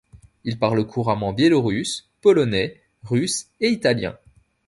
Il parle couramment biélorusse, polonais, russe et italien.